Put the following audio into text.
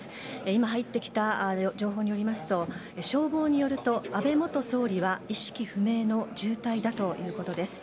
今、入ってきた情報によりますと消防によると安倍元総理は意識不明の重体だということです。